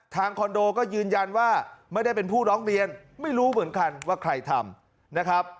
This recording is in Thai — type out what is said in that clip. คอนโดก็ยืนยันว่าไม่ได้เป็นผู้ร้องเรียนไม่รู้เหมือนกันว่าใครทำนะครับ